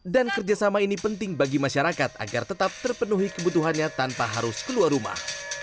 dan kerjasama ini penting bagi masyarakat agar tetap terpenuhi kebutuhannya tanpa harus keluar rumah